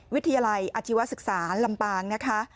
วิทยาลัยอาชีวศึกษาลำปางนะคะ